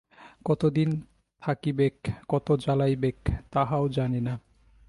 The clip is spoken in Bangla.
কত দিন থাকিবেক, কত জ্বলাইবেক, তাহাও জানি না।